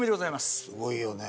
すごいよね。